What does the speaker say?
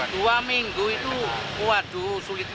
dua minggu itu waduh sulit